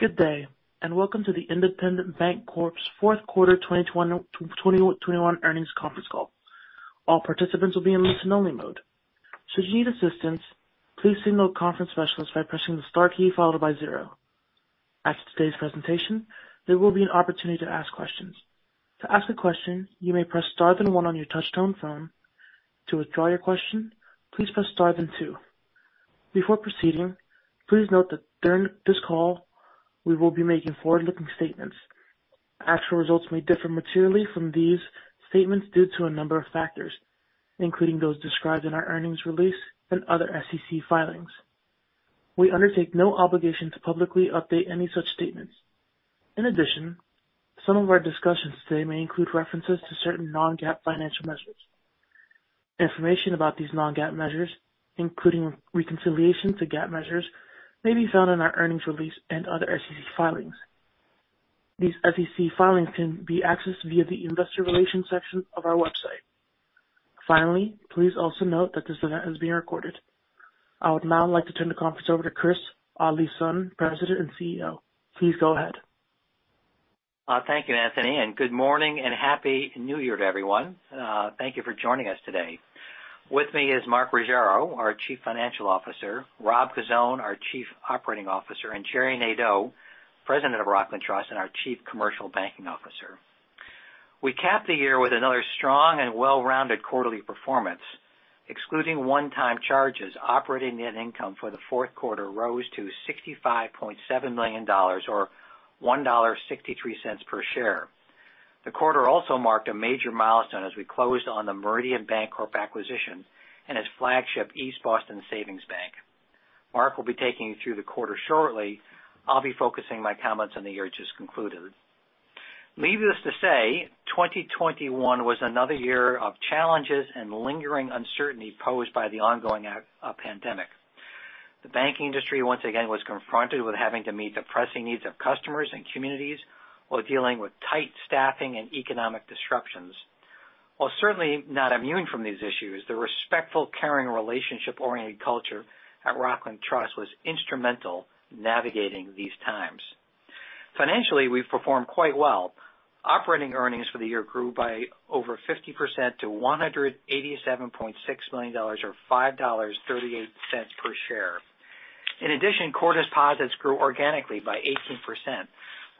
Good day, and welcome to the Independent Bank Corp.'s fourth quarter 2021 earnings conference call. All participants will be in listen-only mode. Should you need assistance, please signal a conference specialist by pressing the star key followed by zero. After today's presentation, there will be an opportunity to ask questions. To ask a question, you may press star then one on your touchtone phone. To withdraw your question, please press star then two. Before proceeding, please note that during this call, we will be making forward-looking statements. Actual results may differ materially from these statements due to a number of factors, including those described in our earnings release and other SEC filings. We undertake no obligation to publicly update any such statements. In addition, some of our discussions today may include references to certain non-GAAP financial measures. Information about these non-GAAP measures, including reconciliation to GAAP measures, may be found in our earnings release and other SEC filings. These SEC filings can be accessed via the investor relations section of our website. Finally, please also note that this event is being recorded. I would now like to turn the conference over to Christopher Oddleifson, President and CEO. Please go ahead. Thank you, Anthony, and good morning and Happy New Year to everyone. Thank you for joining us today. With me is Mark Ruggiero, our Chief Financial Officer, Rob Cozzone, our Chief Operating Officer, and Gerard Nadeau, President of Rockland Trust and our Chief Commercial Banking Officer. We capped the year with another strong and well-rounded quarterly performance. Excluding one-time charges, operating net income for the fourth quarter rose to $65.7 million or $1.63 per share. The quarter also marked a major milestone as we closed on the Meridian Bancorp acquisition and its flagship, East Boston Savings Bank. Mark will be taking you through the quarter shortly. I'll be focusing my comments on the year just concluded. Needless to say, 2021 was another year of challenges and lingering uncertainty posed by the ongoing pandemic. The banking industry once again was confronted with having to meet the pressing needs of customers and communities while dealing with tight staffing and economic disruptions. While certainly not immune from these issues, the respectful, caring, relationship-oriented culture at Rockland Trust was instrumental in navigating these times. Financially, we've performed quite well. Operating earnings for the year grew by over 50% to $187.6 million or $5.38 per share. In addition, core deposits grew organically by 18%.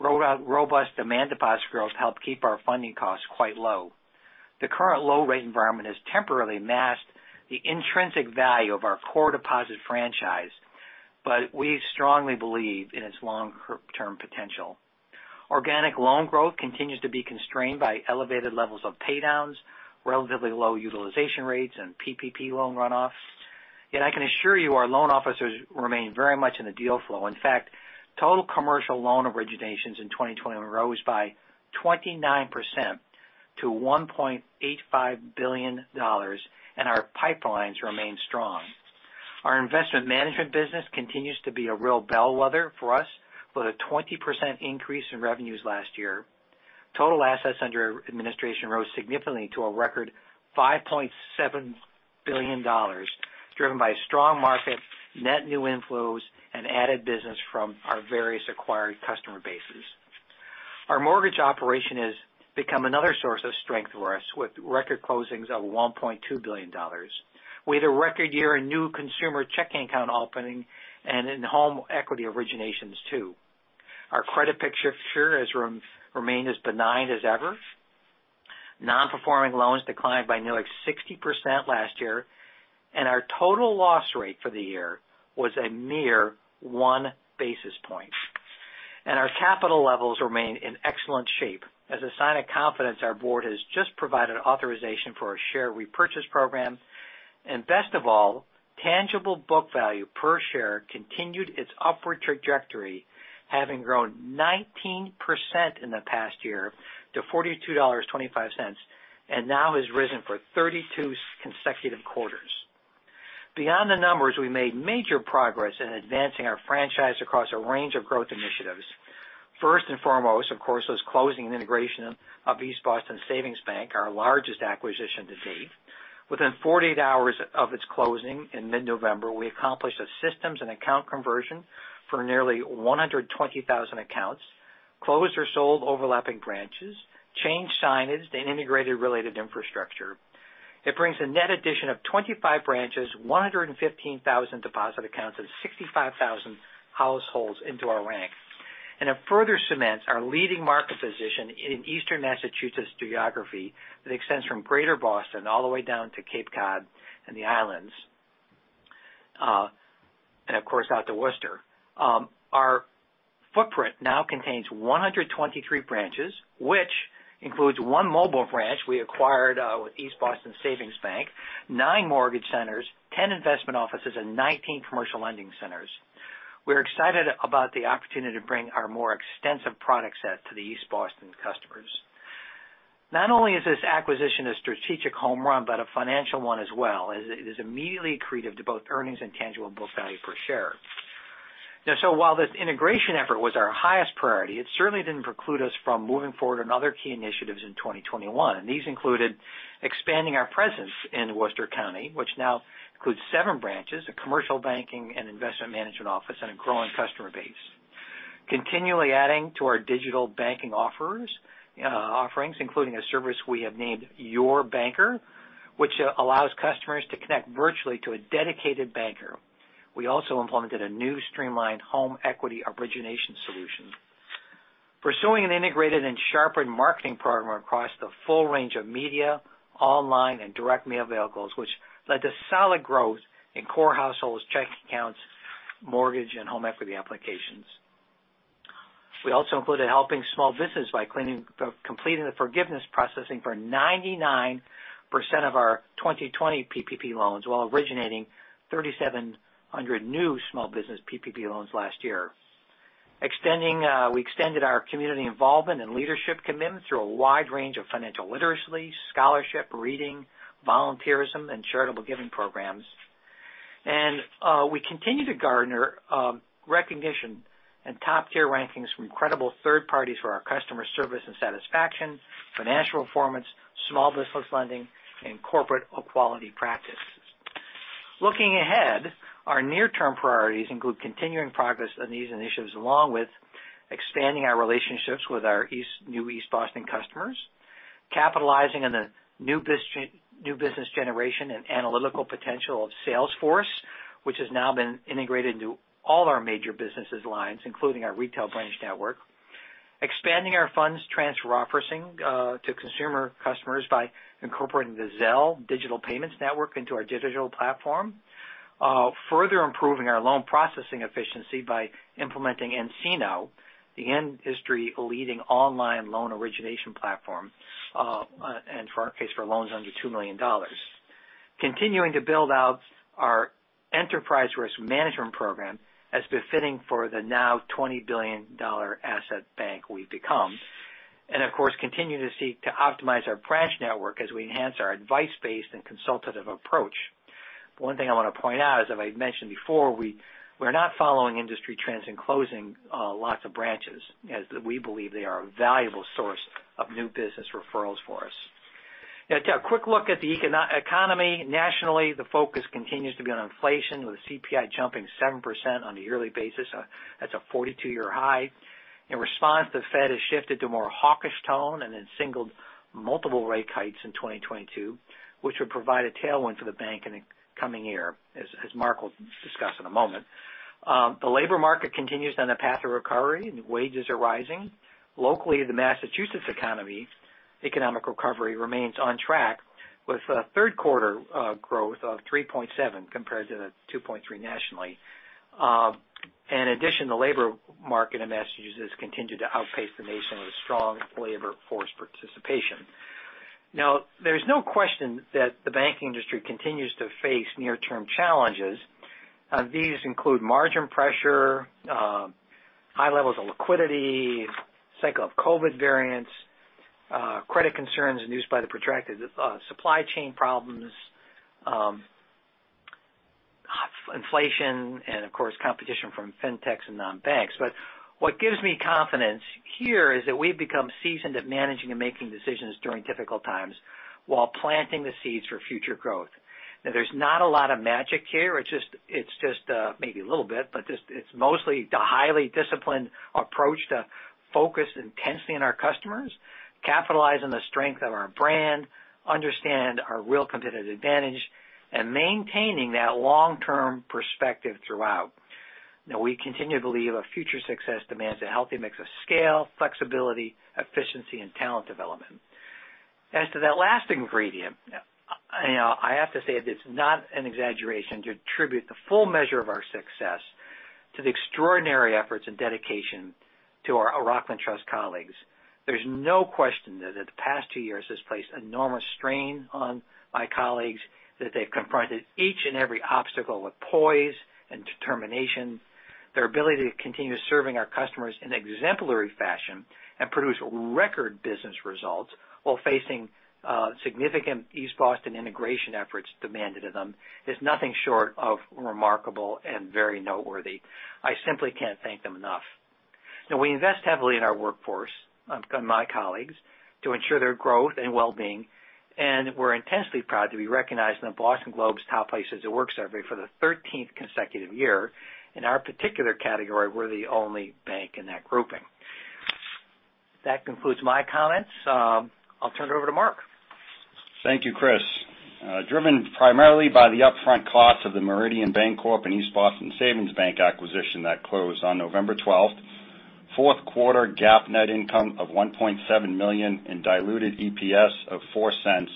Robust demand deposit growth helped keep our funding costs quite low. The current low-rate environment has temporarily masked the intrinsic value of our core deposit franchise, but we strongly believe in its long-term potential. Organic loan growth continues to be constrained by elevated levels of paydowns, relatively low utilization rates, and PPP loan runoffs. Yet I can assure you our loan officers remain very much in the deal flow. In fact, total commercial loan originations in 2021 rose by 29% to $1.85 billion, and our pipelines remain strong. Our investment management business continues to be a real bellwether for us, with a 20% increase in revenues last year. Total assets under administration rose significantly to a record $5.7 billion, driven by strong market, net new inflows, and added business from our various acquired customer bases. Our mortgage operation has become another source of strength for us, with record closings of $1.2 billion. We had a record year in new consumer checking account opening and in home equity originations, too. Our credit picture has remained as benign as ever. Non-performing loans declined by nearly 60% last year, and our total loss rate for the year was a mere one basis point. Our capital levels remain in excellent shape. As a sign of confidence, our board has just provided authorization for a share repurchase program. Best of all, tangible book value per share continued its upward trajectory, having grown 19% in the past year to $42.25, and now has risen for 32 consecutive quarters. Beyond the numbers, we made major progress in advancing our franchise across a range of growth initiatives. First and foremost, of course, was closing and integration of East Boston Savings Bank, our largest acquisition to date. Within 48 hours of its closing in mid-November, we accomplished a systems and account conversion for nearly 120,000 accounts, closed or sold overlapping branches, changed signage, and integrated related infrastructure. It brings a net addition of 25 branches, 115,000 deposit accounts, and 65,000 households into our ranks. It further cements our leading market position in Eastern Massachusetts geography that extends from Greater Boston all the way down to Cape Cod and the Islands, and of course, out to Worcester. Our footprint now contains 123 branches, which includes one mobile branch we acquired with East Boston Savings Bank, nine mortgage centers, ten investment offices, and 19 commercial lending centers. We're excited about the opportunity to bring our more extensive product set to the East Boston customers. Not only is this acquisition a strategic home run, but a financial one as well, as it is immediately accretive to both earnings and tangible book value per share. Now, while this integration effort was our highest priority, it certainly didn't preclude us from moving forward on other key initiatives in 2021, and these included expanding our presence in Worcester County, which now includes seven branches, a commercial banking and investment management office, and a growing customer base. Continually adding to our digital banking offerings, including a service we have named Your Banker, which allows customers to connect virtually to a dedicated banker. We also implemented a new streamlined home equity origination solution. Pursuing an integrated and sharpened marketing program across the full range of media, online, and direct mail vehicles, which led to solid growth in core households' checking accounts, mortgage, and home equity applications. We also included helping small business by completing the forgiveness processing for 99% of our 2020 PPP loans while originating 3,700 new small business PPP loans last year. We extended our community involvement and leadership commitment through a wide range of financial literacy, scholarship, reading, volunteerism, and charitable giving programs. We continue to garner recognition and top-tier rankings from credible third parties for our customer service and satisfaction, financial performance, small business lending, and corporate equality practices. Looking ahead, our near-term priorities include continuing progress on these initiatives along with expanding our relationships with our new East Boston customers, capitalizing on the new business generation and analytical potential of Salesforce, which has now been integrated into all our major business lines, including our retail branch network. Expanding our funds transfer offering to consumer customers by incorporating the Zelle digital payments network into our digital platform. Further improving our loan processing efficiency by implementing nCino, the industry-leading online loan origination platform, and for our case, for loans under $2 million. Continuing to build out our enterprise risk management program as befitting for the now $20 billion asset bank we've become. Of course, continue to seek to optimize our branch network as we enhance our advice-based and consultative approach. One thing I wanna point out, as I've mentioned before, we're not following industry trends and closing lots of branches, as we believe they are a valuable source of new business referrals for us. Now to a quick look at the economy. Nationally, the focus continues to be on inflation, with CPI jumping 7% on a yearly basis. That's a 42-year high. In response, the Fed has shifted to a more hawkish tone and then signaled multiple rate hikes in 2022, which would provide a tailwind for the bank in the coming year, as Mark will discuss in a moment. The labor market continues on the path of recovery, and wages are rising. Locally, the Massachusetts economic recovery remains on track with a third quarter growth of 3.7%, compared to the 2.3% nationally. In addition, the labor market in Massachusetts continued to outpace the nation with strong labor force participation. Now, there's no question that the banking industry continues to face near-term challenges. These include margin pressure, high levels of liquidity, cycle of COVID variants, credit concerns induced by the protracted supply chain problems, inflation and of course, competition from fintechs and non-banks. What gives me confidence here is that we've become seasoned at managing and making decisions during difficult times while planting the seeds for future growth. Now, there's not a lot of magic here. It's just, maybe a little bit, but just it's mostly the highly disciplined approach to focus intensely on our customers, capitalize on the strength of our brand, understand our real competitive advantage, and maintaining that long-term perspective throughout. Now, we continue to believe our future success demands a healthy mix of scale, flexibility, efficiency, and talent development. As to that last ingredient, you know, I have to say that it's not an exaggeration to attribute the full measure of our success to the extraordinary efforts and dedication to our Rockland Trust colleagues. There's no question that the past two years has placed enormous strain on my colleagues, that they've confronted each and every obstacle with poise and determination. Their ability to continue serving our customers in exemplary fashion and produce record business results while facing significant East Boston integration efforts demanded of them is nothing short of remarkable and very noteworthy. I simply can't thank them enough. Now we invest heavily in our workforce, and my colleagues, to ensure their growth and well-being, and we're intensely proud to be recognized in the Boston Globe's Top Places to Work survey for the 13th consecutive year. In our particular category, we're the only bank in that grouping. That concludes my comments. I'll turn it over to Mark. Thank you, Chris. Driven primarily by the upfront costs of the Meridian Bancorp, Inc. and East Boston Savings Bank acquisition that closed on November 12, fourth quarter GAAP net income of $1.7 million and diluted EPS of $0.04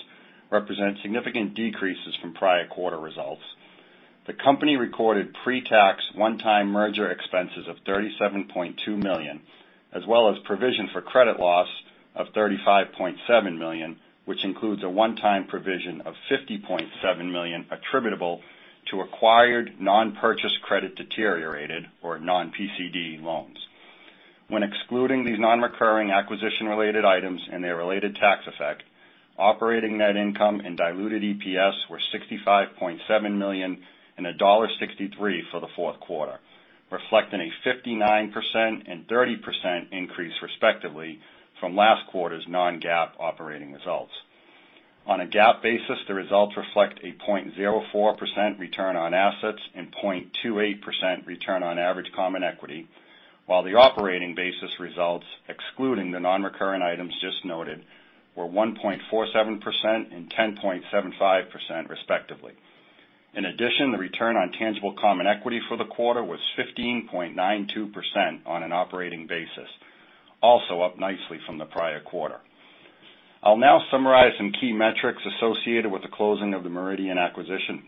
represent significant decreases from prior quarter results. The company recorded pre-tax one-time merger expenses of $37.2 million, as well as provision for credit loss of $35.7 million, which includes a one-time provision of $50.7 million attributable to acquired non-purchase credit deteriorated or non-PCD loans. When excluding these non-recurring acquisition-related items and their related tax effect, operating net income and diluted EPS were $65.7 million and $1.63 for the fourth quarter, reflecting a 59% and 30% increase, respectively, from last quarter's non-GAAP operating results. On a GAAP basis, the results reflect a 0.04% return on assets and 0.28% return on average common equity, while the operating basis results, excluding the non-recurring items just noted, were 1.47% and 10.75% respectively. In addition, the return on tangible common equity for the quarter was 15.92% on an operating basis, also up nicely from the prior quarter. I'll now summarize some key metrics associated with the closing of the Meridian acquisition.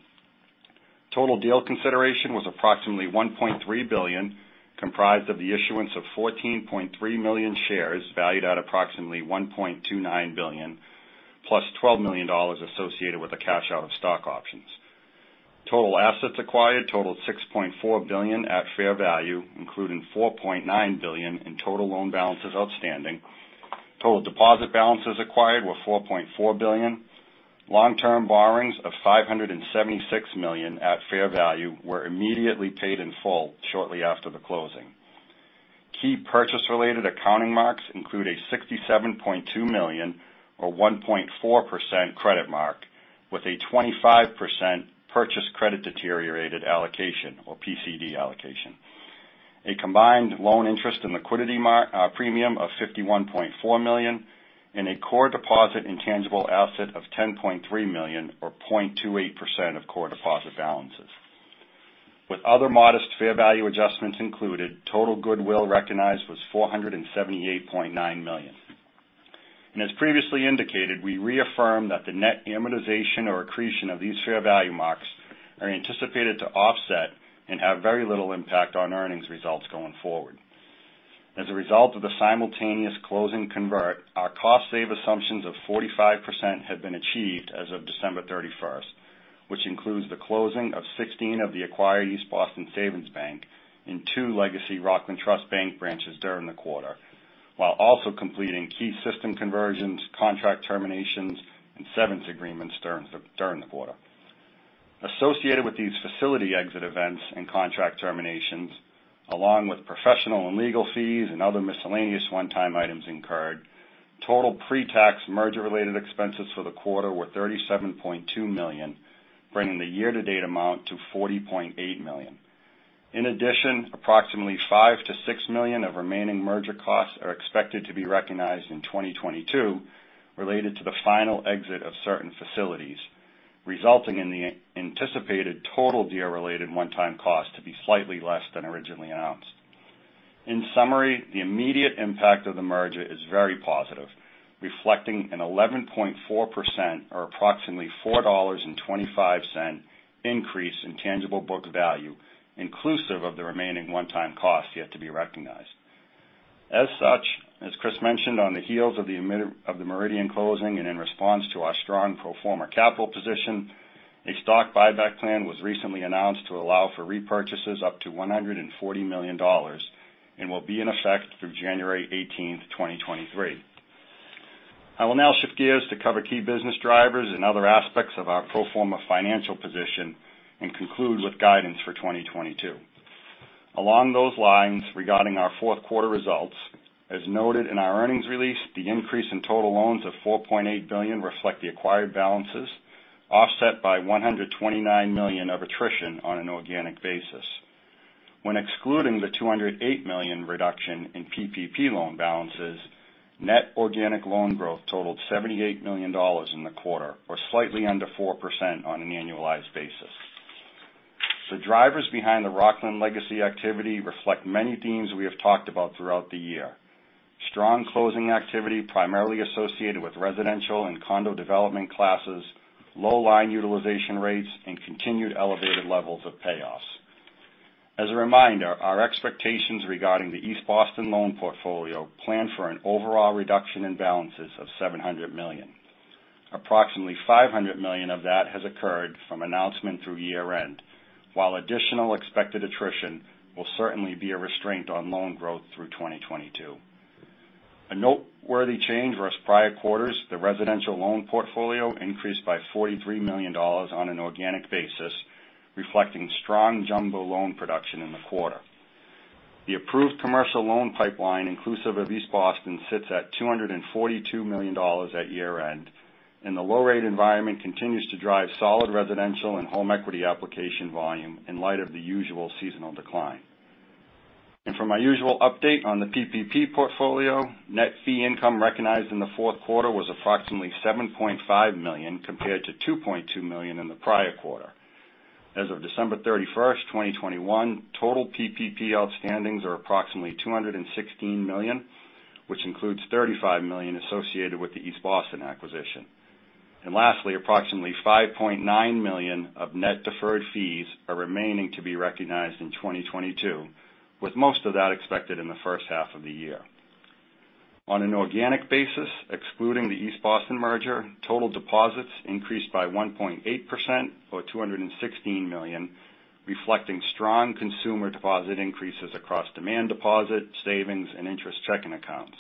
Total deal consideration was approximately $1.3 billion, comprised of the issuance of 14.3 million shares valued at approximately $1.29 billion, +$12 million associated with the cash out of stock options. Total assets acquired totaled $6.4 billion at fair value, including $4.9 billion in total loan balances outstanding. Total deposit balances acquired were $4.4 billion. Long-term borrowings of $576 million at fair value were immediately paid in full shortly after the closing. Key purchase-related accounting marks include a $67.2 million or 1.4% credit mark with a 25% purchase credit deteriorated allocation or PCD allocation. A combined loan interest and liquidity premium of $51.4 million and a core deposit intangible asset of $10.3 million or 0.28% of core deposit balances. With other modest fair value adjustments included, total goodwill recognized was $478.9 million. As previously indicated, we reaffirm that the net amortization or accretion of these fair value marks are anticipated to offset and have very little impact on earnings results going forward. As a result of the simultaneous closing conversion, our cost savings assumptions of 45% have been achieved as of December 31st, which includes the closing of 16 of the acquired East Boston Savings Bank and two legacy Rockland Trust Company branches during the quarter, while also completing key system conversions, contract terminations, and severance agreements during the quarter. Associated with these facility exit events and contract terminations, along with professional and legal fees and other miscellaneous one-time items incurred, total pre-tax merger-related expenses for the quarter were $37.2 million, bringing the year-to-date amount to $40.8 million. In addition, approximately $5 million-$6 million of remaining merger costs are expected to be recognized in 2022 related to the final exit of certain facilities, resulting in the anticipated total deal-related one-time cost to be slightly less than originally announced. In summary, the immediate impact of the merger is very positive, reflecting an 11.4% or approximately $4.25 increase in tangible book value, inclusive of the remaining one-time cost yet to be recognized. As such, as Chris mentioned, on the heels of the Meridian closing and in response to our strong pro forma capital position, a stock buyback plan was recently announced to allow for repurchases up to $140 million and will be in effect through January 18, 2023. I will now shift gears to cover key business drivers and other aspects of our pro forma financial position and conclude with guidance for 2022. Along those lines, regarding our fourth quarter results, as noted in our earnings release, the increase in total loans of $4.8 billion reflect the acquired balances, offset by $129 million of attrition on an organic basis. When excluding the $208 million reduction in PPP loan balances, net organic loan growth totaled $78 million in the quarter or slightly under 4% on an annualized basis. The drivers behind the Rockland legacy activity reflect many themes we have talked about throughout the year, strong closing activity, primarily associated with residential and condo development classes, low line utilization rates, and continued elevated levels of payoffs. As a reminder, our expectations regarding the East Boston loan portfolio plan for an overall reduction in balances of $700 million. Approximately $500 million of that has occurred from announcement through year-end, while additional expected attrition will certainly be a restraint on loan growth through 2022. A noteworthy change versus prior quarters, the residential loan portfolio increased by $43 million on an organic basis, reflecting strong jumbo loan production in the quarter. The approved commercial loan pipeline, inclusive of East Boston, sits at $242 million at year-end, and the low rate environment continues to drive solid residential and home equity application volume in light of the usual seasonal decline. For my usual update on the PPP portfolio, net fee income recognized in the fourth quarter was approximately $7.5 million compared to $2.2 million in the prior quarter. As of December 31, 2021, total PPP outstandings are approximately $216 million, which includes $35 million associated with the East Boston acquisition. Lastly, approximately $5.9 million of net deferred fees are remaining to be recognized in 2022, with most of that expected in the first half of the year. On an organic basis, excluding the East Boston merger, total deposits increased by 1.8% or $216 million, reflecting strong consumer deposit increases across demand deposit, savings and interest checking accounts.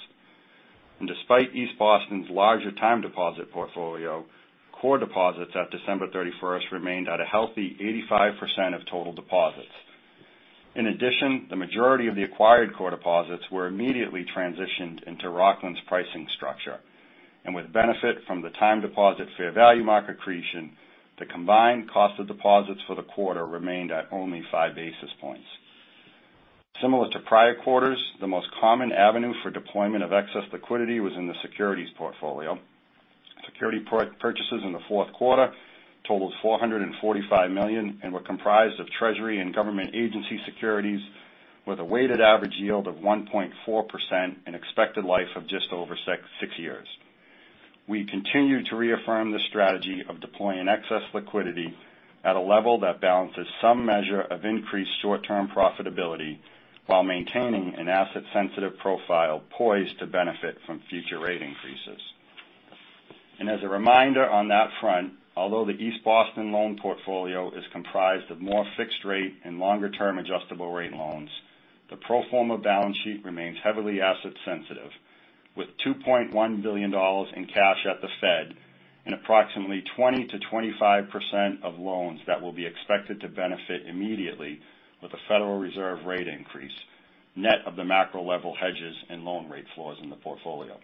Despite East Boston's larger time deposit portfolio, core deposits at December 31st remained at a healthy 85% of total deposits. In addition, the majority of the acquired core deposits were immediately transitioned into Rockland's pricing structure, and with benefit from the time deposit fair value market accretion, the combined cost of deposits for the quarter remained at only 5 basis points. Similar to prior quarters, the most common avenue for deployment of excess liquidity was in the securities portfolio. Security purchases in the fourth quarter totaled $445 million and were comprised of treasury and government agency securities with a weighted average yield of 1.4% and expected life of just over six years. We continue to reaffirm the strategy of deploying excess liquidity at a level that balances some measure of increased short-term profitability while maintaining an asset-sensitive profile poised to benefit from future rate increases. As a reminder on that front, although the East Boston loan portfolio is comprised of more fixed rate and longer-term adjustable rate loans, the pro forma balance sheet remains heavily asset sensitive, with $2.1 billion in cash at the Fed and approximately 20%-25% of loans that will be expected to benefit immediately with a Federal Reserve rate increase, net of the macro level hedges and loan rate floors in the portfolio.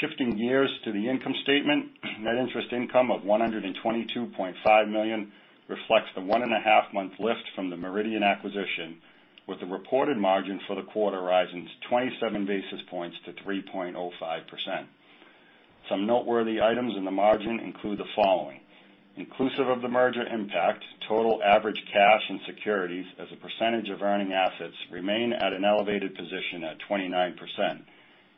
Shifting gears to the income statement, net interest income of $122.5 million reflects the one and a half month lift from the Meridian acquisition, with the reported margin for the quarter rising 27 basis points to 3.05%. Some noteworthy items in the margin include the following. Inclusive of the merger impact, total average cash and securities as a % of earning assets remain at an elevated position at 29%,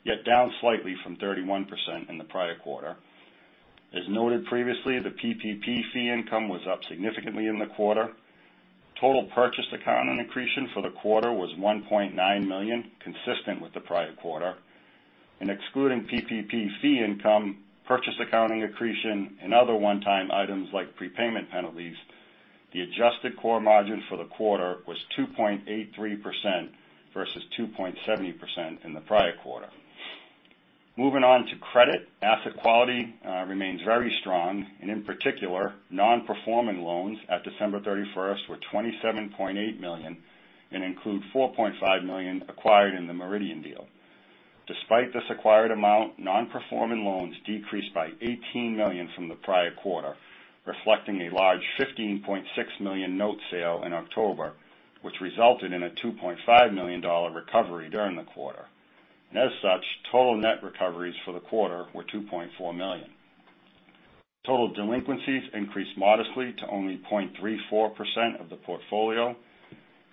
yet down slightly from 31% in the prior quarter. As noted previously, the PPP fee income was up significantly in the quarter. Total purchase accounting accretion for the quarter was $1.9 million, consistent with the prior quarter. Excluding PPP fee income, purchase accounting accretion, and other one-time items like prepayment penalties, the adjusted core margin for the quarter was 2.83% versus 2.70% in the prior quarter. Moving on to credit. Asset quality remains very strong. In particular, nonperforming loans at December 31st were $27.8 million and include $4.5 million acquired in the Meridian deal. Despite this acquired amount, non-performing loans decreased by $18 million from the prior quarter, reflecting a large $15.6 million note sale in October, which resulted in a $2.5 million recovery during the quarter. As such, total net recoveries for the quarter were $2.4 million. Total delinquencies increased modestly to only 0.34% of the portfolio.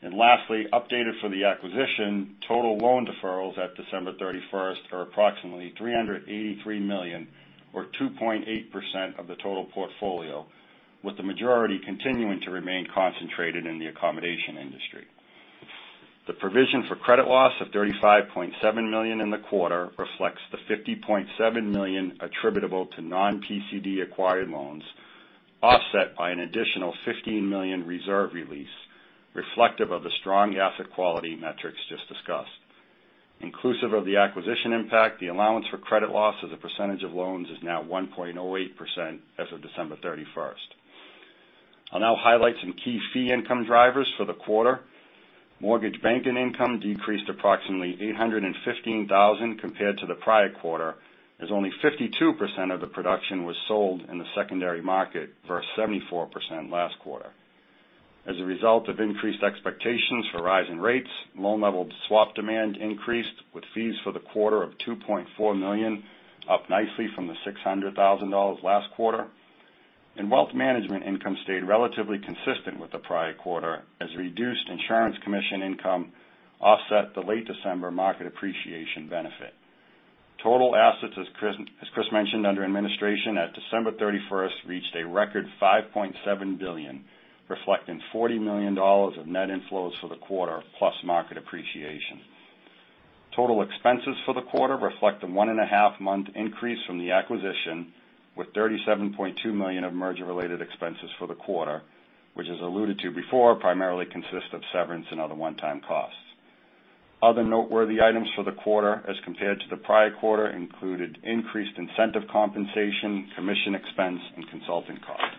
Lastly, updated for the acquisition, total loan deferrals at December 31 are approximately $383 million or 2.8% of the total portfolio, with the majority continuing to remain concentrated in the accommodation industry. The provision for credit loss of $35.7 million in the quarter reflects the $50.7 million attributable to non-PCD acquired loans, offset by an additional $15 million reserve release reflective of the strong asset quality metrics just discussed. Inclusive of the acquisition impact, the allowance for credit loss as a % of loans is now 1.08% as of December 31. I'll now highlight some key fee income drivers for the quarter. Mortgage banking income decreased approximately $815,000 compared to the prior quarter, as only 52% of the production was sold in the secondary market versus 74% last quarter. As a result of increased expectations for rising rates, loan level swap demand increased with fees for the quarter of $2.4 million, up nicely from the $600,000 last quarter. Wealth management income stayed relatively consistent with the prior quarter as reduced insurance commission income offset the late December market appreciation benefit. Total assets, as Chris mentioned, under administration at December 31 reached a record $5.7 billion, reflecting $40 million of net inflows for the quarter plus market appreciation. Total expenses for the quarter reflect a 1.5-month increase from the acquisition with $37.2 million of merger-related expenses for the quarter, which as alluded to before, primarily consist of severance and other one-time costs. Other noteworthy items for the quarter as compared to the prior quarter included increased incentive compensation, commission expense, and consulting costs.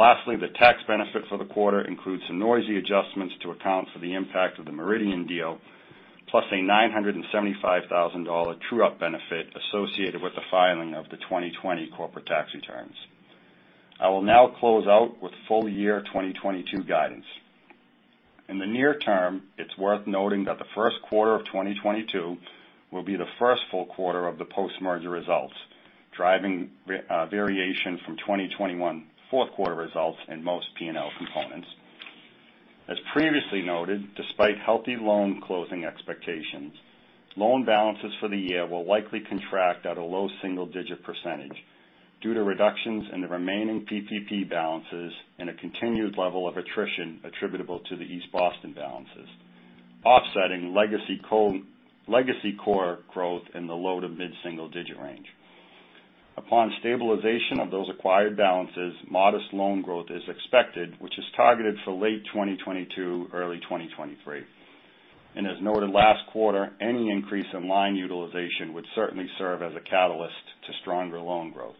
Lastly, the tax benefit for the quarter includes some noisy adjustments to account for the impact of the Meridian deal, plus a $975,000 true-up benefit associated with the filing of the 2020 corporate tax returns. I will now close out with full year 2022 guidance. In the near term, it's worth noting that the first quarter of 2022 will be the first full quarter of the post-merger results, driving variation from 2021 fourth quarter results in most P&L components. As previously noted, despite healthy loan closing expectations, loan balances for the year will likely contract at a low single-digit % due to reductions in the remaining PPP balances and a continued level of attrition attributable to the East Boston balances, offsetting legacy core growth in the low to mid-single digit range. Upon stabilization of those acquired balances, modest loan growth is expected, which is targeted for late 2022, early 2023. As noted last quarter, any increase in line utilization would certainly serve as a catalyst to stronger loan growth.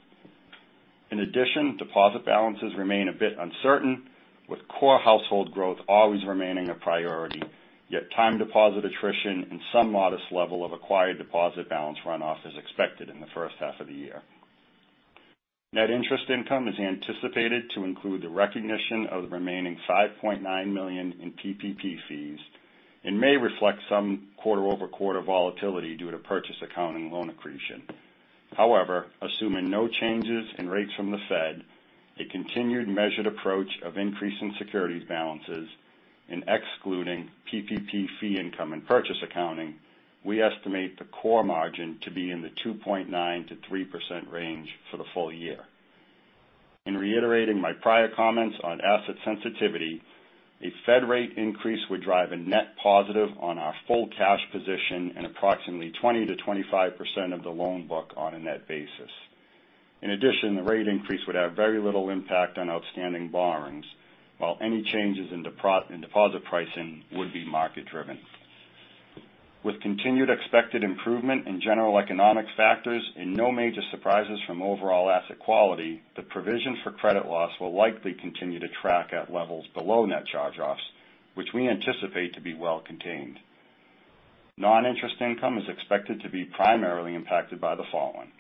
In addition, deposit balances remain a bit uncertain, with core household growth always remaining a priority. Time deposit attrition and some modest level of acquired deposit balance runoff is expected in the first half of the year. Net interest income is anticipated to include the recognition of the remaining $5.9 million in PPP fees and may reflect some quarter-over-quarter volatility due to purchase accounting loan accretion. However, assuming no changes in rates from the Fed, a continued measured approach of increasing securities balances and excluding PPP fee income and purchase accounting, we estimate the core margin to be in the 2.9%-3% range for the full year. In reiterating my prior comments on asset sensitivity, a Fed rate increase would drive a net positive on our full cash position and approximately 20%-25% of the loan book on a net basis. In addition, the rate increase would have very little impact on outstanding borrowings, while any changes in deposit pricing would be market driven. With continued expected improvement in general economic factors and no major surprises from overall asset quality, the provision for credit loss will likely continue to track at levels below net charge-offs, which we anticipate to be well contained. Noninterest income is expected to be primarily impacted by the following.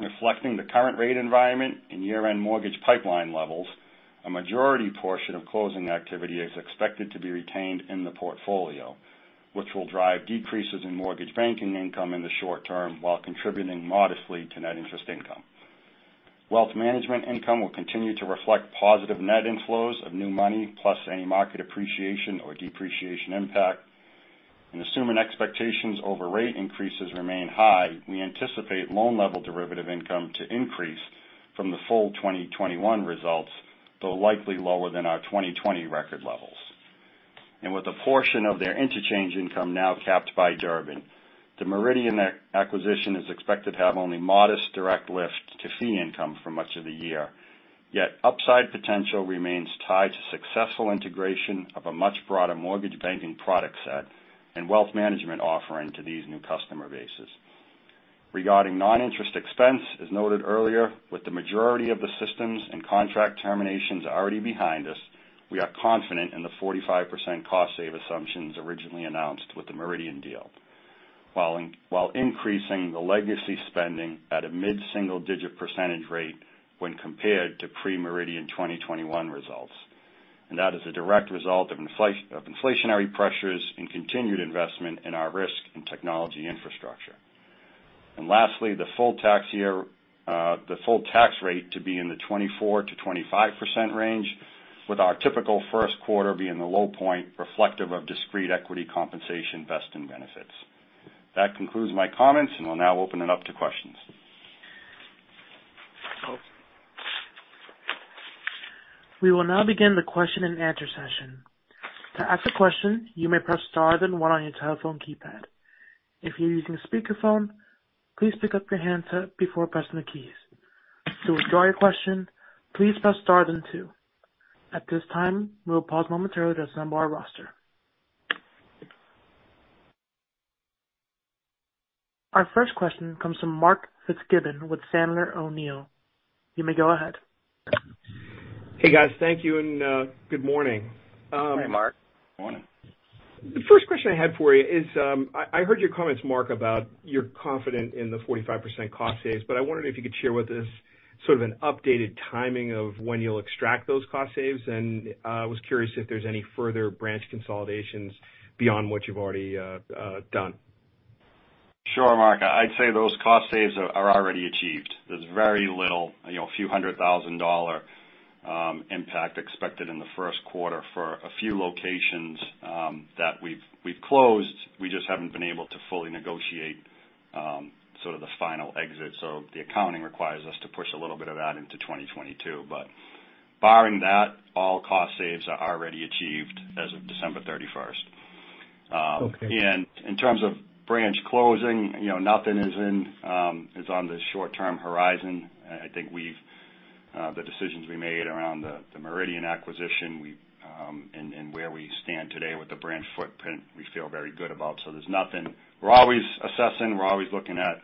Reflecting the current rate environment and year-end mortgage pipeline levels, a majority portion of closing activity is expected to be retained in the portfolio, which will drive decreases in mortgage banking income in the short term while contributing modestly to net interest income. Wealth management income will continue to reflect positive net inflows of new money plus any market appreciation or depreciation impact. Assuming expectations over rate increases remain high, we anticipate loan level derivative income to increase from the full 2021 results, though likely lower than our 2020 record levels. With a portion of their interchange income now capped by Durbin, the Meridian acquisition is expected to have only modest direct lift to fee income for much of the year. Yet upside potential remains tied to successful integration of a much broader mortgage banking product set and wealth management offering to these new customer bases. Regarding non-interest expense, as noted earlier, with the majority of the systems and contract terminations already behind us, we are confident in the 45% cost savings assumptions originally announced with the Meridian deal, while increasing the legacy spending at a mid-single digit % rate when compared to pre-Meridian 2021 results. That is a direct result of inflationary pressures and continued investment in our risk and technology infrastructure. Lastly, the full tax year, the full tax rate to be in the 24%-25% range, with our typical first quarter being the low point reflective of discrete equity compensation vesting benefits. That concludes my comments, and we'll now open it up to questions. We will now begin the question and answer session. To ask a question, you may press star then one on your telephone keypad. If you're using a speakerphone, please pick up your handset before pressing the keys. To withdraw your question, please press star then two. At this time, we'll pause momentarily to assemble our roster. Our first question comes from Mark Fitzgibbon with Piper Sandler. You may go ahead. Hey, guys. Thank you. Good morning. Hi, Mark. Morning. The first question I had for you is, I heard your comments, Mark, about you're confident in the 45% cost savings, but I wondered if you could share with us sort of an updated timing of when you'll extract those cost savings. I was curious if there's any further branch consolidations beyond what you've already done. Sure, Mark. I'd say those cost saves are already achieved. There's very little, you know, a few hundred thousand-dollar impact expected in the first quarter for a few locations that we've closed. We just haven't been able to fully negotiate sort of the final exit. The accounting requires us to push a little bit of that into 2022. Barring that, all cost saves are already achieved as of December 31. Okay. In terms of branch closing, you know, nothing is on the short-term horizon. I think the decisions we made around the Meridian acquisition and where we stand today with the branch footprint, we feel very good about. There's nothing. We're always assessing, we're always looking at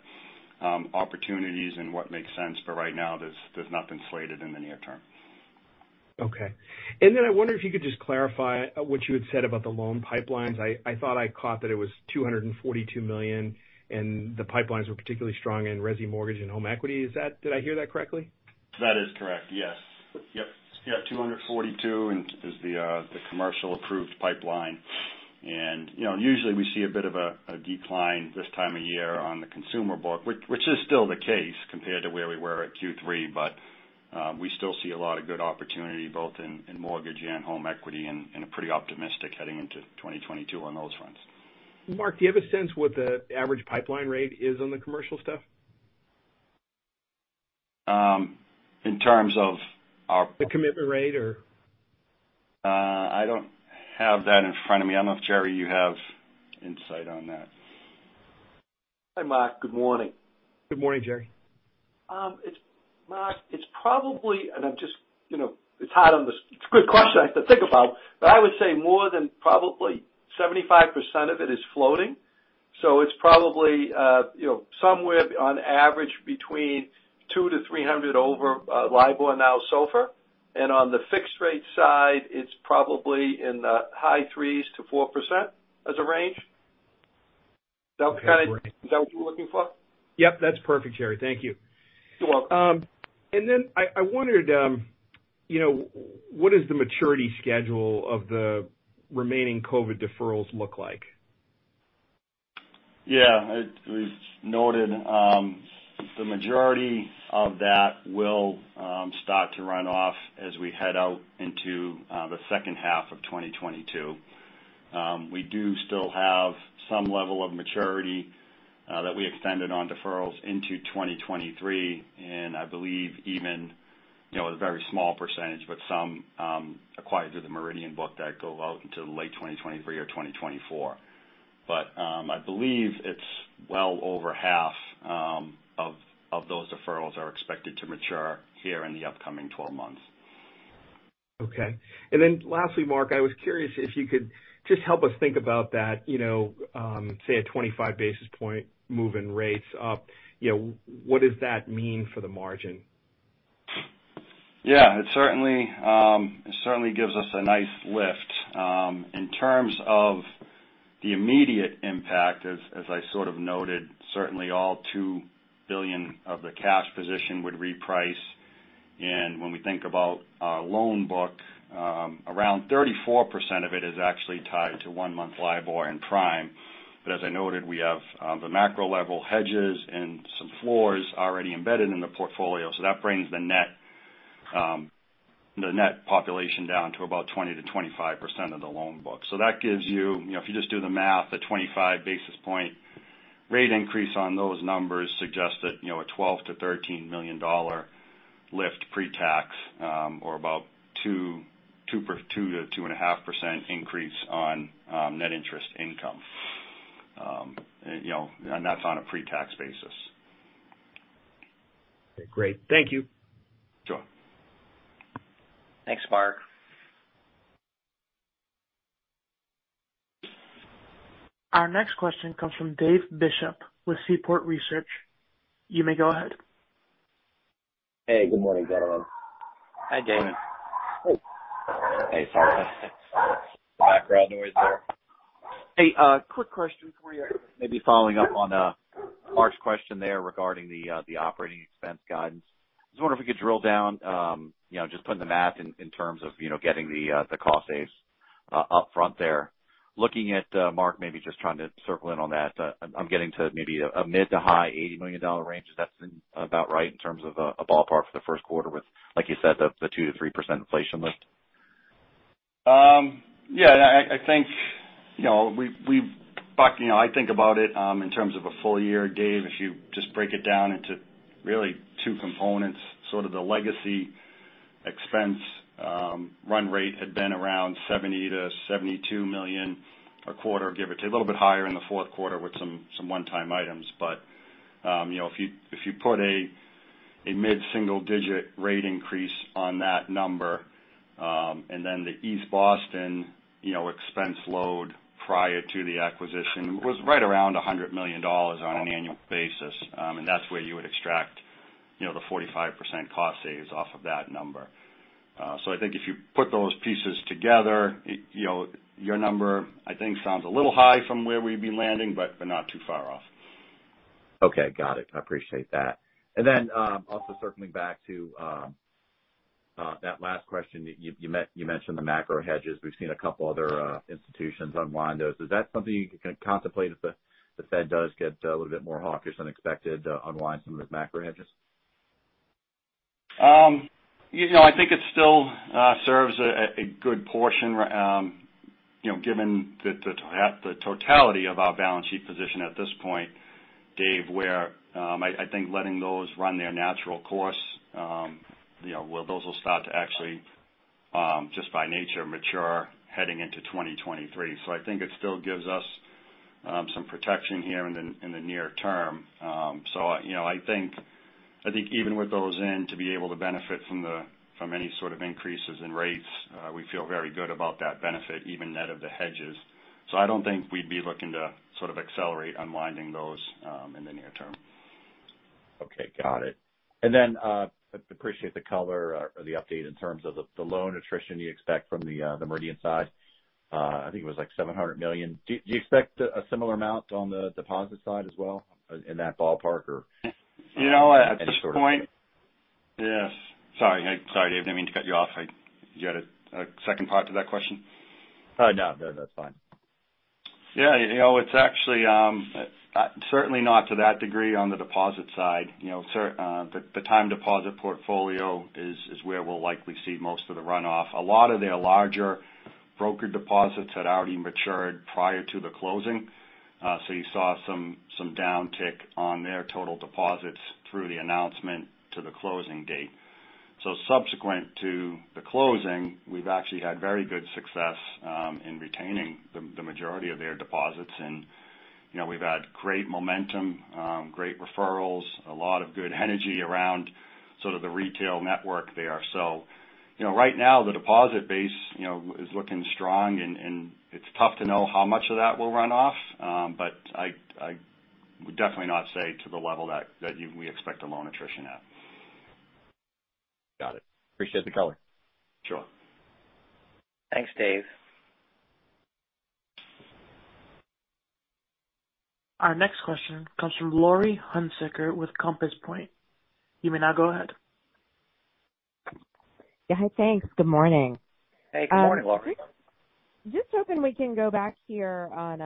opportunities and what makes sense, but right now there's nothing slated in the near term. Okay. I wonder if you could just clarify what you had said about the loan pipelines. I thought I caught that it was $242 million and the pipelines were particularly strong in resi mortgage and home equity. Is that, did I hear that correctly? That is correct, yes. Yep. Yeah, 242 and is the commercial approved pipeline. You know, usually we see a bit of a decline this time of year on the consumer book, which is still the case compared to where we were at Q3. We still see a lot of good opportunity both in mortgage and home equity and a pretty optimistic heading into 2022 on those fronts. Mark, do you have a sense what the average pipeline rate is on the commercial stuff? In terms of our. The commitment rate or. I don't have that in front of me. I don't know if, Gerry, you have insight on that. Hi, Mark. Good morning. Good morning, Gerard. Mark, it's probably, and I'm just, you know, it's hard. It's a good question I have to think about, but I would say more than probably 75% of it is floating. It's probably, you know, somewhere on average between 200-300 over LIBOR and now SOFR. On the fixed rate side, it's probably in the high 3%-4% as a range. Does that kinda- Okay, great. Is that what you're looking for? Yep, that's perfect, Gerry. Thank you. You're welcome. I wondered, you know, what is the maturity schedule of the remaining COVID deferrals look like? Yeah, we've noted the majority of that will start to run off as we head out into the second half of 2022. We do still have some level of maturity that we extended on deferrals into 2023, and I believe even, you know, a very small %, but some acquired through the Meridian book that go out into late 2023 or 2024. I believe it's well over half of those deferrals are expected to mature here in the upcoming 12 months. Okay. Lastly, Mark, I was curious if you could just help us think about that, you know, say a 25 basis point move in rates up, you know, what does that mean for the margin? Yeah, it certainly gives us a nice lift. In terms of the immediate impact, as I sort of noted, certainly all $2 billion of the cash position would reprice. When we think about our loan book, around 34% of it is actually tied to one-month LIBOR and prime. As I noted, we have the macro level hedges and some floors already embedded in the portfolio. That brings the net population down to about 20%-25% of the loan book. That gives you know, if you just do the math, a 25 basis point rate increase on those numbers suggest that, you know, a $12 million-$13 million lift pre-tax, or about 2%-2.5% increase on net interest income. You know, and that's on a pre-tax basis. Okay, great. Thank you. Sure. Thanks, Mark. Our next question comes from Dave Bishop from Seaport Research. You may go ahead. Hey, good morning, gentlemen. Hi, David. Hey. Hey, sorry about that background noise there. Hey, quick question for you. Maybe following up on Mark's question there regarding the operating expense guidance. I was wondering if we could drill down, you know, just putting the math in terms of, you know, getting the cost saves upfront there. Looking at Mark, maybe just trying to circle in on that, I'm getting to maybe a mid- to high $80 million range. Is that about right in terms of a ballpark for the first quarter with, like you said, the 2%-3% inflation lift? I think about it in terms of a full year, Dave. If you just break it down into really two components, sort of the legacy expense run rate had been around $70 million-$72 million a quarter, give or take. A little bit higher in the fourth quarter with some one-time items. You know, if you put a mid-single digit rate increase on that number, and then the East Boston expense load prior to the acquisition was right around $100 million on an annual basis. And that's where you would extract you know, the 45% cost savings off of that number. I think if you put those pieces together, you know, your number I think sounds a little high from where we'd be landing, but not too far off. Okay. Got it. I appreciate that. Also circling back to that last question. You mentioned the macro hedges. We've seen a couple other institutions unwind those. Is that something you can contemplate if the Fed does get a little bit more hawkish than expected, unwind some of those macro hedges? You know, I think it still serves a good portion, you know, given the totality of our balance sheet position at this point, Dave, where I think letting those run their natural course, you know, where those will start to actually just by nature mature heading into 2023. I think it still gives us some protection here in the near term. You know, I think even with those in, to be able to benefit from any sort of increases in rates, we feel very good about that benefit, even net of the hedges. I don't think we'd be looking to sort of accelerate unwinding those in the near term. Okay. Got it. Appreciate the color or the update in terms of the loan attrition you expect from the Meridian side. I think it was like $700 million. Do you expect a similar amount on the deposit side as well in that ballpark or- You know, at this point. Any sort of- Yes. Sorry, Dave, I didn't mean to cut you off. You had a second part to that question? No. No, that's fine. Yeah. You know, it's actually certainly not to that degree on the deposit side. You know, the time deposit portfolio is where we'll likely see most of the runoff. A lot of their larger broker deposits had already matured prior to the closing, so you saw some downtick on their total deposits through the announcement to the closing date. Subsequent to the closing, we've actually had very good success in retaining the majority of their deposits. You know, we've had great momentum, great referrals, a lot of good energy around sort of the retail network there. You know, right now the deposit base is looking strong and it's tough to know how much of that will run off. I would definitely not say to the level that we expect the loan attrition at. Got it. Appreciate the color. Sure. Thanks, Dave. Our next question comes from Laurie Hunsicker with Compass Point. You may now go ahead. Yeah. Hi, thanks. Good morning. Hey, good morning, Laurie. Just hoping we can go back here on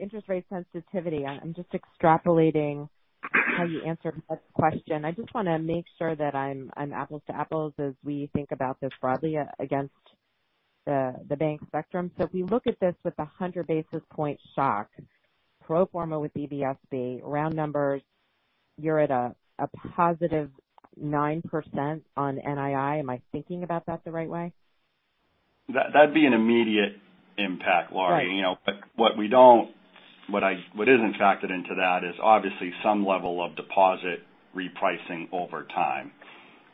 interest rate sensitivity. I'm just extrapolating how you answered Mark's question. I just want to make sure that I'm apples to apples as we think about this broadly against the bank spectrum. If we look at this with 100 basis point shock, pro forma with EBSB, round numbers, you're at a +9% on NII. Am I thinking about that the right way? That'd be an immediate impact, Laurie. Right. You know, what isn't factored into that is obviously some level of deposit repricing over time.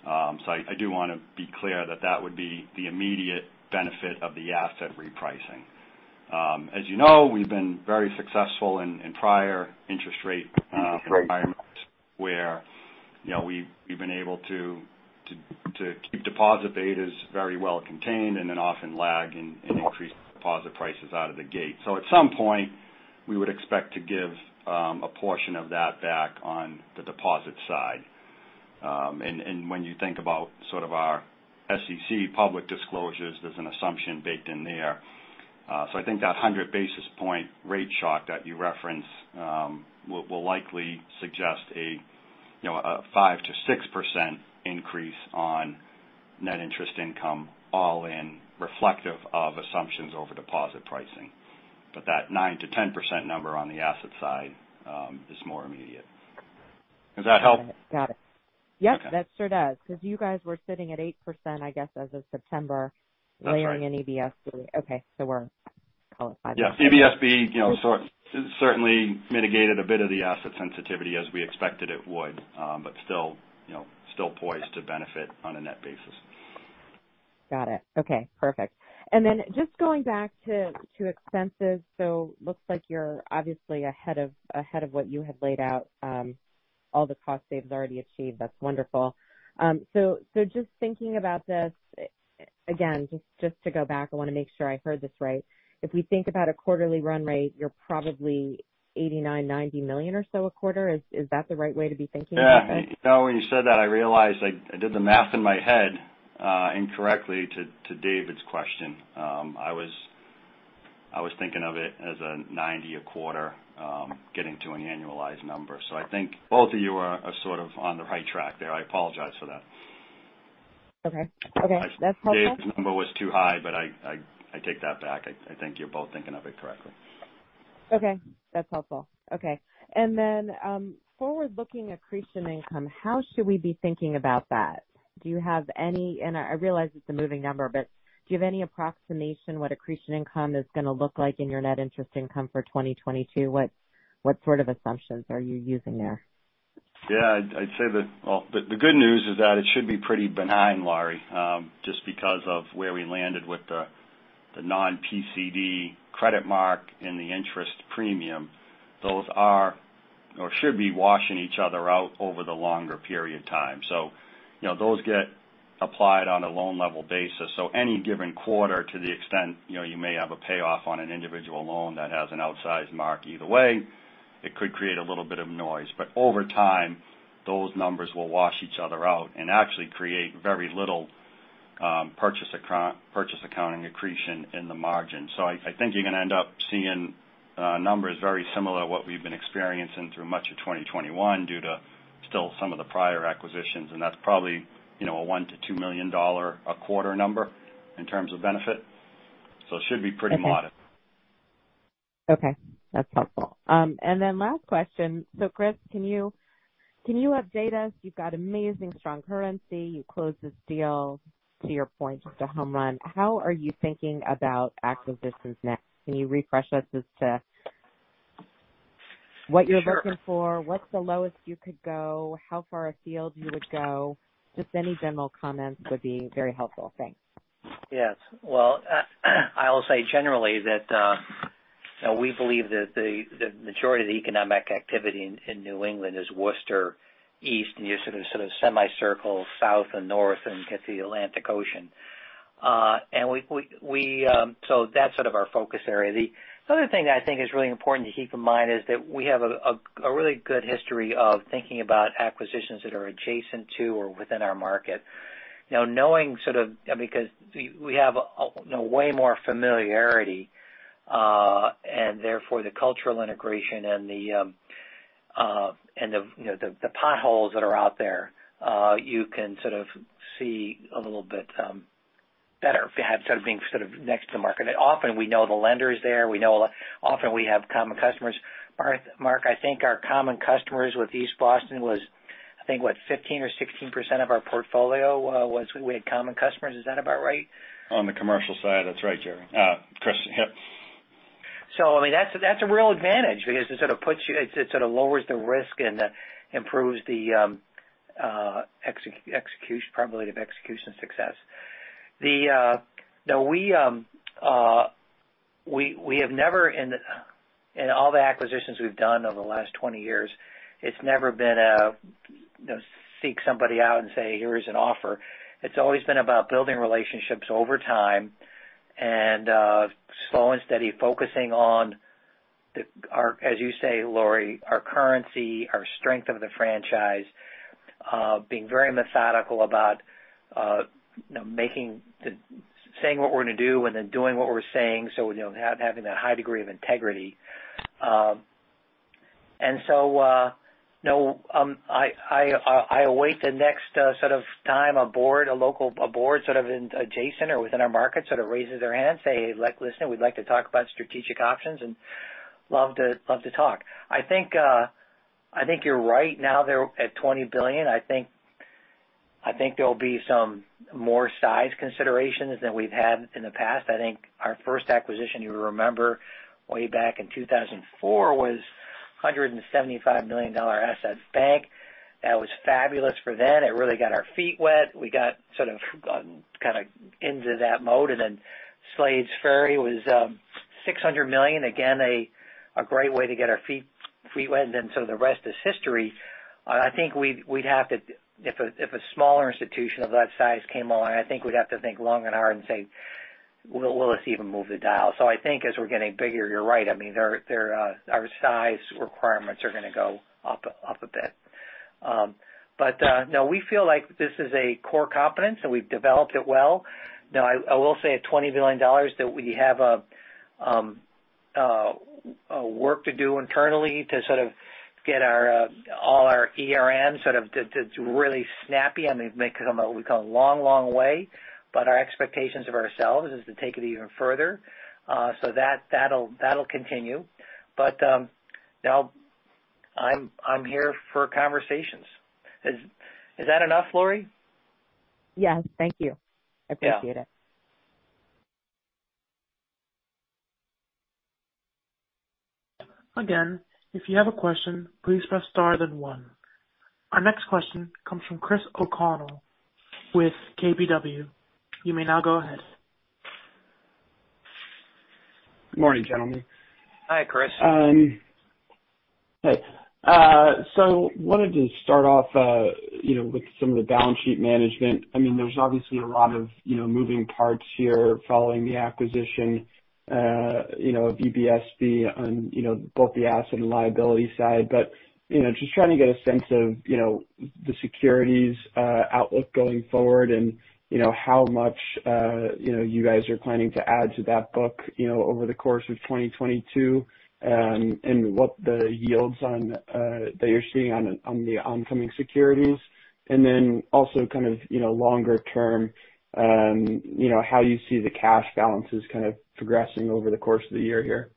I do want to be clear that that would be the immediate benefit of the asset repricing. As you know, we've been very successful in prior interest rate environments where, you know, we've been able to keep deposit betas very well contained and then often lag in increased deposit prices out of the gate. At some point, we would expect to give a portion of that back on the deposit side. When you think about sort of our SEC public disclosures, there's an assumption baked in there. I think that 100 basis point rate shock that you referenced will likely suggest a, you know, a 5%-6% increase on net interest income all in reflective of assumptions over deposit pricing. That 9%-10% number on the asset side is more immediate. Does that help? Got it. Yep. Okay. That sure does because you guys were sitting at 8%, I guess, as of September. That's right. Layering in EBSB. Okay. We're calling it 5%. Yeah. EBSB, you know, certainly mitigated a bit of the asset sensitivity as we expected it would, but still, you know, still poised to benefit on a net basis. Got it. Okay, perfect. Then just going back to expenses. Looks like you're obviously ahead of what you had laid out, all the cost saves already achieved. That's wonderful. Just thinking about this, again, just to go back, I wanna make sure I heard this right. If we think about a quarterly run rate, you're probably $89 million-$90 million or so a quarter. Is that the right way to be thinking about that? Yeah. You know, when you said that, I realized I did the math in my head incorrectly to Dave's question. I was thinking of it as 90 a quarter, getting to an annualized number. I think both of you are sort of on the right track there. I apologize for that. Okay. That's helpful. Dave's number was too high, but I take that back. I think you're both thinking of it correctly. Okay, that's helpful. Okay. Forward-looking accretion income, how should we be thinking about that? I realize it's a moving number, but do you have any approximation what accretion income is gonna look like in your net interest income for 2022? What sort of assumptions are you using there? Yeah, I'd say that, well, the good news is that it should be pretty benign, Laurie, just because of where we landed with the non-PCD credit mark and the interest premium. Those are or should be washing each other out over the longer period of time. You know, those get applied on a loan level basis. Any given quarter, to the extent you know, you may have a payoff on an individual loan that has an outsized mark either way, it could create a little bit of noise. Over time, those numbers will wash each other out and actually create very little purchase accounting accretion in the margin. I think you're going to end up seeing numbers very similar to what we've been experiencing through much of 2021 due to still some of the prior acquisitions, and that's probably, you know, a $1 million-$2 million a quarter number in terms of benefit. It should be pretty modest. Okay. That's helpful. Last question. Chris, can you update us? You've got amazing strong currency. You closed this deal, to your point, it's a home run. How are you thinking about acquisitions next? Can you refresh us as to what you're looking for? Sure. What's the lowest you could go? How far afield you would go? Just any general comments would be very helpful. Thanks. Yes. Well, I'll say generally that we believe that the majority of the economic activity in New England is Worcester east, and you're sort of semicircle south and north and get the Atlantic Ocean. That's sort of our focus area. The other thing that I think is really important to keep in mind is that we have a really good history of thinking about acquisitions that are adjacent to or within our market. Now, knowing sort of because we have a you know way more familiarity, and therefore the cultural integration and the you know the potholes that are out there, you can sort of see a little bit better have sort of being sort of next to the market. Often, we know the lenders there, we know a lot. Often, we have common customers. Mark, I think our common customers with East Boston was, I think what, 15% or 16% of our portfolio, was we had common customers. Is that about right? On the commercial side, that's right, Gerry. Chris, yep. I mean, that's a real advantage because it sort of lowers the risk and improves the execution probability of execution success. Now we have never in all the acquisitions we've done over the last 20 years, it's never been a, you know, seek somebody out and say, here is an offer. It's always been about building relationships over time and slow and steady, focusing on our, as you say, Laurie, our currency, our strength of the franchise, being very methodical about, you know, saying what we're gonna do and then doing what we're saying. You know, having that high degree of integrity. No, I await the next sort of time a board, a local board sort of in adjacent or within our market sort of raises their hand, say, like, listen, we'd like to talk about strategic options and love to talk. I think you're right now they're at $20 billion. I think there'll be some more size considerations than we've had in the past. I think our first acquisition, you remember way back in 2004 was $175 million dollar assets bank. That was fabulous for then. It really got our feet wet. We got sort of kind of into that mode. Slade's Ferry was $600 million. Again, a great way to get our feet wet. The rest is history. I think we'd have to if a smaller institution of that size came along. I think we'd have to think long and hard and say, will this even move the dial? I think as we're getting bigger, you're right. I mean, our size requirements are gonna go up a bit. No, we feel like this is a core competence, and we've developed it well. Now, I will say at $20 billion that we have, work to do internally to sort of get all our ERM sort of to really snappy. I mean, we've come a long way, but our expectations of ourselves is to take it even further. That'll continue. Now I'm here for conversations. Is that enough, Laurie? Yes, thank you. Yeah. Appreciate it. Again, if you have a question, please press star then one. Our next question comes from Chris O'Connell with KBW. You may now go ahead. Good morning, gentlemen. Hi, Chris. Hey. Wanted to start off, you know, with some of the balance sheet management. I mean, there's obviously a lot of, you know, moving parts here following the acquisition, you know, of EBSB on, you know, both the asset and liability side. Just trying to get a sense of, you know, the securities outlook going forward and, you know, how much, you know, you guys are planning to add to that book, you know, over the course of 2022, and what the yields that you're seeing on the incoming securities. Also kind of, you know, longer term, you know, how you see the cash balances kind of progressing over the course of the year here.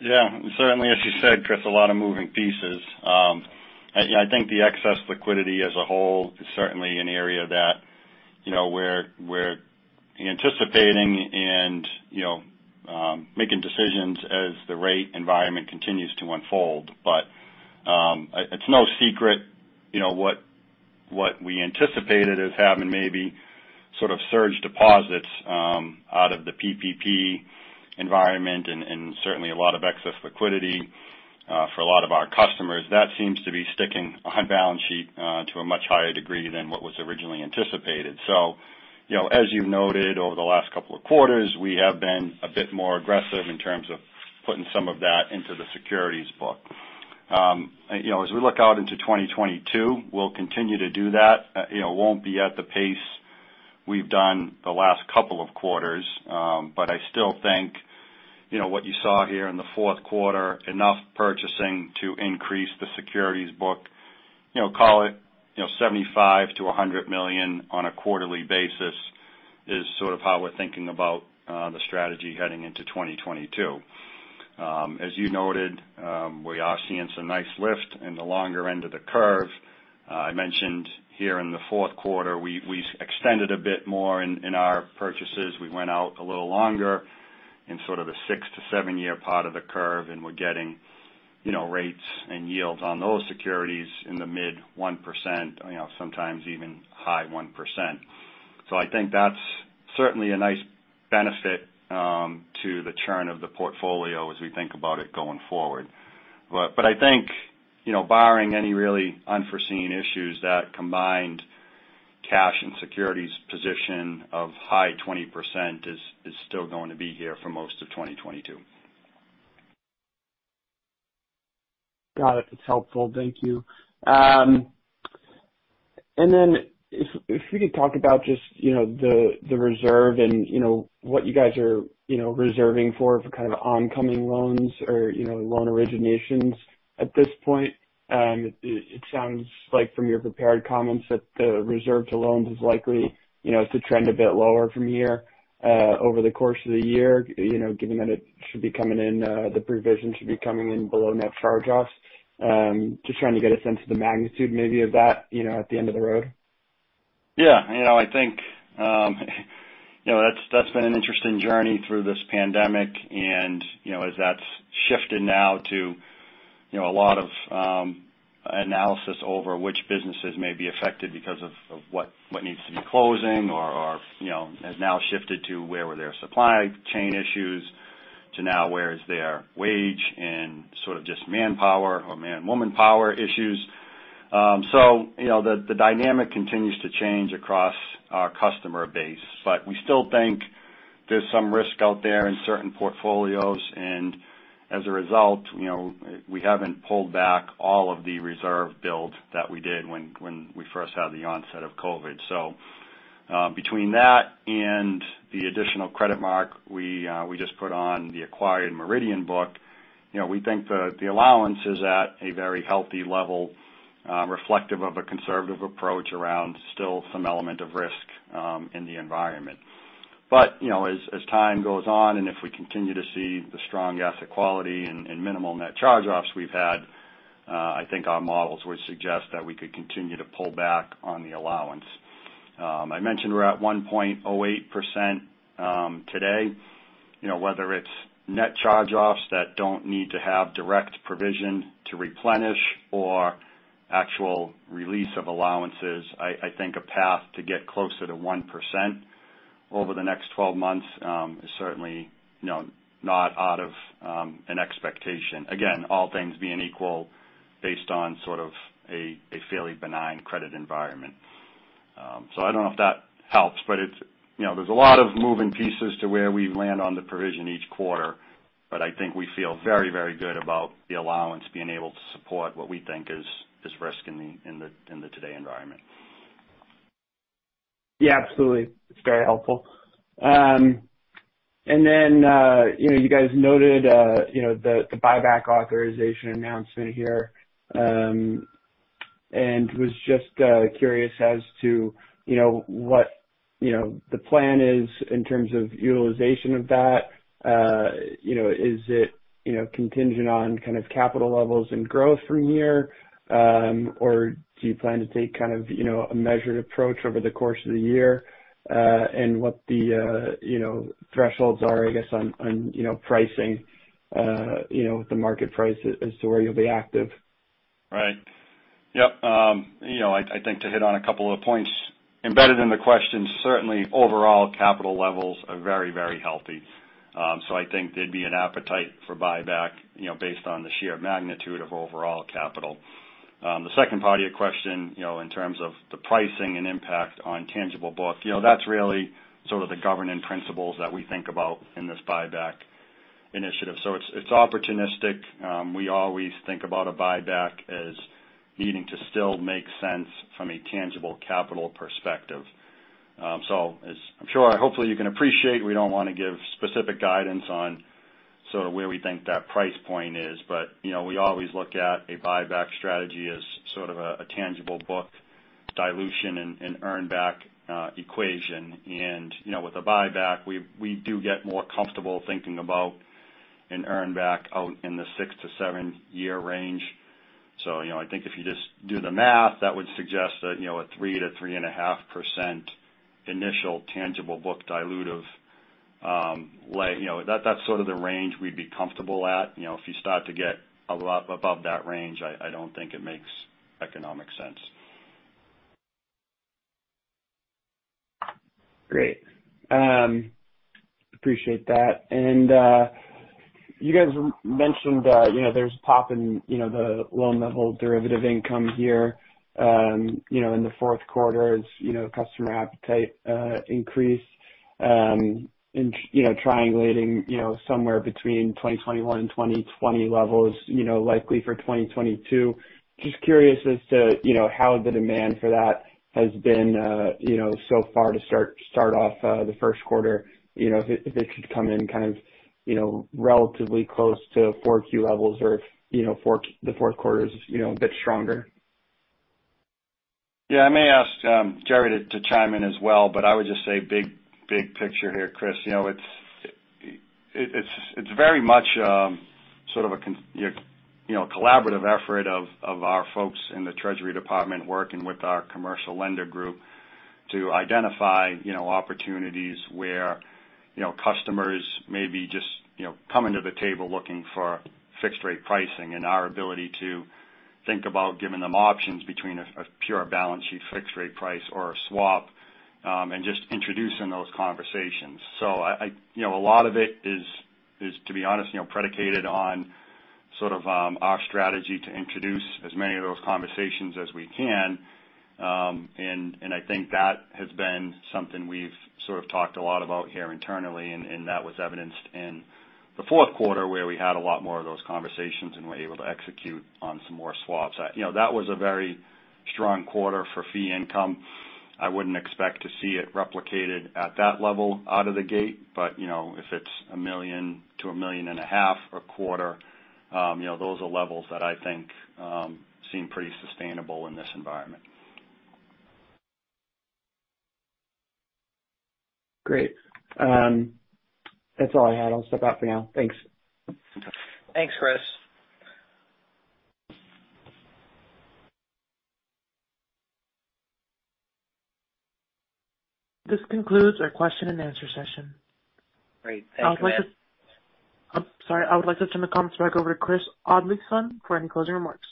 Yeah, certainly as you said, Chris, a lot of moving pieces. I think the excess liquidity as a whole is certainly an area that, you know, we're anticipating and, you know, making decisions as the rate environment continues to unfold. It's no secret, you know, what we anticipated as having maybe sort of surge deposits out of the PPP environment and certainly a lot of excess liquidity for a lot of our customers. That seems to be sticking on balance sheet to a much higher degree than what was originally anticipated. You know, as you've noted over the last couple of quarters, we have been a bit more aggressive in terms of putting some of that into the securities book. You know, as we look out into 2022, we'll continue to do that. You know, won't be at the pace we've done the last couple of quarters. I still think, you know, what you saw here in the fourth quarter, enough purchasing to increase the securities book, you know, call it, you know, $75 million-$100 million on a quarterly basis is sort of how we're thinking about the strategy heading into 2022. As you noted, we are seeing some nice lift in the longer end of the curve. I mentioned here in the fourth quarter, we extended a bit more in our purchases. We went out a little longer in sort of the 6-7-year part of the curve, and we're getting, you know, rates and yields on those securities in the mid 1%, you know, sometimes even high 1%. I think that's certainly a nice benefit to the churn of the portfolio as we think about it going forward. I think, you know, barring any really unforeseen issues, that combined cash and securities position of high 20% is still going to be here for most of 2022. Got it. That's helpful. Thank you. If we could talk about just, you know, the reserve and you know, what you guys are, you know, reserving for kind of oncoming loans or, you know, loan originations at this point. It sounds like from your prepared comments that the reserve to loans is likely, you know, to trend a bit lower from here over the course of the year, you know, given that it should be coming in, the provision should be coming in below net charge-offs. Just trying to get a sense of the magnitude maybe of that, you know, at the end of the road. Yeah. You know, I think, you know, that's been an interesting journey through this pandemic and, you know, as that's shifted now to, you know, a lot of analysis over which businesses may be affected because of what needs to be closing or, you know, has now shifted to where were their supply chain issues to now where is their wage and sort of just manpower or man and woman power issues. You know, the dynamic continues to change across our customer base, but we still think there's some risk out there in certain portfolios. As a result, you know, we haven't pulled back all of the reserve build that we did when we first had the onset of COVID. Between that and the additional credit mark we just put on the acquired Meridian book, you know, we think the allowance is at a very healthy level, reflective of a conservative approach around still some element of risk in the environment. You know, as time goes on, and if we continue to see the strong asset quality and minimal net charge-offs we've had, I think our models would suggest that we could continue to pull back on the allowance. I mentioned we're at 1.08% today. You know, whether it's net charge-offs that don't need to have direct provision to replenish or actual release of allowances, I think a path to get closer to 1% over the next 12 months is certainly, you know, not out of an expectation. Again, all things being equal based on sort of a fairly benign credit environment. I don't know if that helps, but it's, you know, there's a lot of moving pieces to where we land on the provision each quarter, but I think we feel very, very good about the allowance being able to support what we think is risk in the today environment. Yeah, absolutely. It's very helpful. You know, you guys noted, you know, the buyback authorization announcement here, and I was just curious as to, you know, what, you know, the plan is in terms of utilization of that. You know, is it, you know, contingent on kind of capital levels and growth from here? Do you plan to take kind of, you know, a measured approach over the course of the year, and what the, you know, thresholds are, I guess, on pricing, you know, the market price as to where you'll be active? Right. Yep. You know, I think to hit on a couple other points embedded in the question, certainly overall capital levels are very, very healthy. I think there'd be an appetite for buyback, you know, based on the sheer magnitude of overall capital. The second part of your question, you know, in terms of the pricing and impact on tangible book, you know, that's really sort of the governing principles that we think about in this buyback initiative. It's opportunistic. We always think about a buyback as needing to still make sense from a tangible capital perspective. As I'm sure hopefully you can appreciate, we don't want to give specific guidance on sort of where we think that price point is. You know, we always look at a buyback strategy as sort of a tangible book dilution and earn back equation. You know, with a buyback, we do get more comfortable thinking about an earn back out in the 6- to 7-year range. You know, I think if you just do the math, that would suggest that a 3%-3.5% initial tangible book dilutive, you know, that's sort of the range we'd be comfortable at. You know, if you start to get a lot above that range, I don't think it makes economic sense. Great. Appreciate that. You guys mentioned, you know, there's pop in the loan level derivative income here, you know, in the fourth quarter as customer appetite increase, you know, in triangulating somewhere between 2021 and 2020 levels, you know, likely for 2022. Just curious as to how the demand for that has been, you know, so far to start off the first quarter, you know, if it could come in kind of, you know, relatively close to 4Q levels or if the fourth quarter is a bit stronger. Yeah, I may ask Gerry to chime in as well, but I would just say big picture here, Chris. You know, it's very much sort of a collaborative effort of our folks in the treasury department working with our commercial lender group to identify opportunities where customers may be just coming to the table looking for fixed rate pricing and our ability to think about giving them options between a pure balance sheet fixed rate price or a swap and just introducing those conversations. I, you know, a lot of it is to be honest predicated on sort of our strategy to introduce as many of those conversations as we can. I think that has been something we've sort of talked a lot about here internally, that was evidenced in the fourth quarter where we had a lot more of those conversations and were able to execute on some more swaps. You know, that was a very strong quarter for fee income. I wouldn't expect to see it replicated at that level out of the gate. You know, if it's $1 million-$1.5 million a quarter, those are levels that I think seem pretty sustainable in this environment. Great. That's all I had. I'll step out for now. Thanks. Thanks, Chris. This concludes our question and answer session. Great. Thank you. I would like to turn the call back over to Chris Oddleifson for any closing remarks.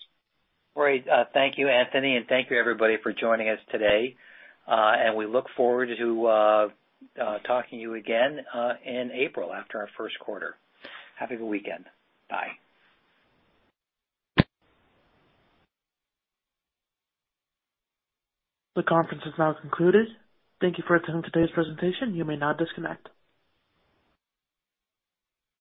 Great. Thank you, Anthony. Thank you everybody for joining us today. We look forward to talking to you again in April after our first quarter. Have a good weekend. Bye. The conference has now concluded. Thank you for attending today's presentation. You may now disconnect.